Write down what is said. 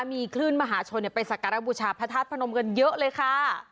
มีคลื่นมหาชนไปสักการบูชาพระธาตุพนมกันเยอะเลยค่ะ